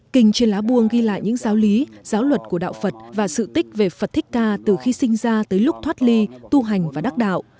kinh trên lá buông ghi lại những giáo lý giáo luật của đạo phật và sự tích về phật thích ca từ khi sinh ra tới lúc thoát ly tu hành và đắc đạo